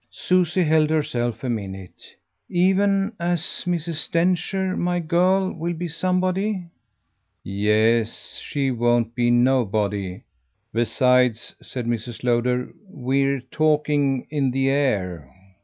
Susie held herself a minute. "Even as Mrs. Densher my girl will be somebody." "Yes, she won't be nobody. Besides," said Mrs. Lowder, "we're talking in the air."